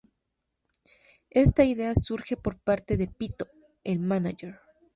Esta idea surge por parte de "Pito", el mánager.